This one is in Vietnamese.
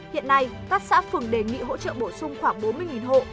hiện nay các xã phường đề nghị hỗ trợ bổ sung khoảng bốn mươi hộ